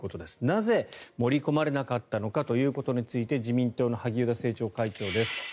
なぜ盛り込まれなかったのかということについて自民党の萩生田政調会長です。